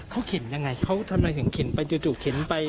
เขาเข็นยังไงเขาทำไมถึงเข็นไปจู่เข็นไป